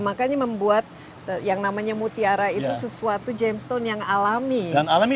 makanya membuat yang namanya mutiara itu sesuatu jamestone yang alami